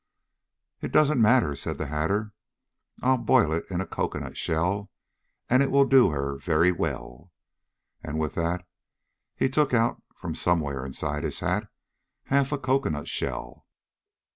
"It doesn't matter," said the Hatter. "I'll boil it in a cocoanut shell, and it will do her very well," and with that he took out, from somewhere inside his hat, half a cocoanut shell.